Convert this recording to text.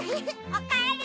おかえり！